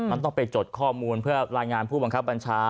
มันต้องไปจดข้อมูลเพื่อรายงานผู้บังคับบัญชา